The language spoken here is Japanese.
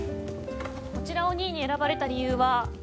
こちらを２位に選ばれた理由は？